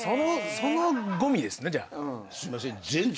そのごみですねじゃあ。